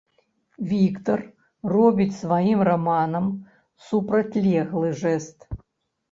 Віктар робіць сваім раманам супрацьлеглы жэст.